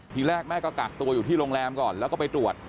ทีแรกแม่ก็กักตัวอยู่ที่โรงแรมก่อนแล้วก็ไปตรวจ